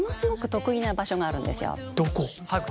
どこ？